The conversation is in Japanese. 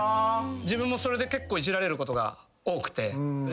自分もそれで結構いじられることが多くて。